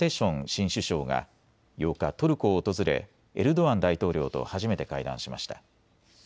新首相が８日、トルコを訪れ、エルドアン大統領と初めて会談しました。